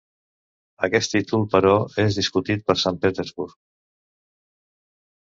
Aquest títol però, és discutit per Sant Petersburg.